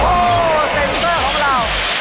โอ้โหเซ็นเซอร์ของเรา